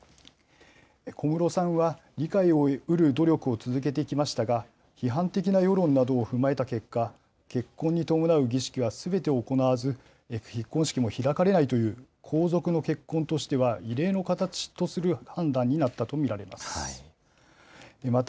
小室さんは、理解を得る努力を続けてきましたが、批判的な世論などを踏まえた結果、結婚に伴う儀式はすべて行わず、結婚式も開かれないという皇族の結婚としては異例の形とする判断になったと見られます。